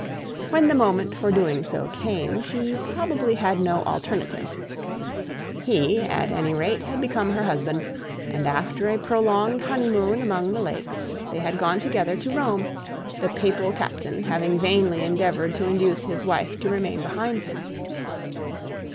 When the moment for doing so came, she had probably no alternative. He, at any rate, had become her husband; and after a prolonged honeymoon among the lakes, they had gone together to Rome, the papal captain having vainly endeavoured to induce his wife to remain behind him.